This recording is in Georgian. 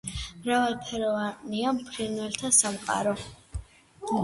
მრავალფეროვანია ფრინველთა სამყარო.